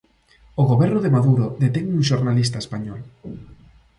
O Goberno de Maduro detén un xornalista español.